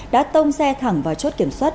đã tông xe thẳng vào chốt kiểm soát